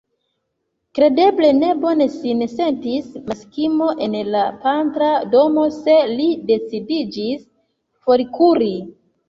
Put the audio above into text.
Kredeble, ne bone sin sentis Maksimo en la patra domo, se li decidiĝis forkuri.